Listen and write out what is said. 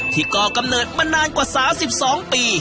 ที่ก็กำเนิดมานานกว่าสาว๑๒ปี